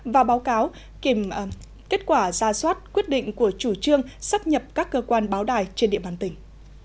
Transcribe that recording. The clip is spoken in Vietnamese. và báo cáo kìm kết quả ra soát quyết định của chủ trương sắp nhập các cơ quan báo đài trên địa bàn tỉnh